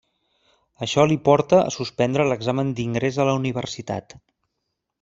Això li porta a suspendre l'examen d'ingrés a la universitat.